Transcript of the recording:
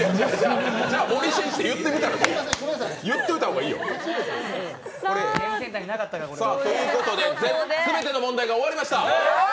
じゃあ、森進一って言っておいた方がいいよ。ということですべての問題が終わりました。